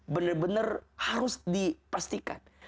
benar benar harus dipastikan